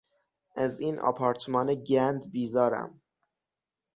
از این آپارتمان گند بیزارم.